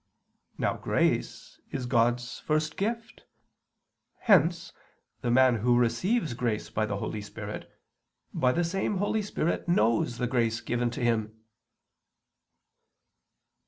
Now grace is God's first gift. Hence, the man who receives grace by the Holy Spirit, by the same Holy Spirit knows the grace given to him.